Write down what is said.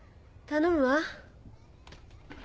頼むわ。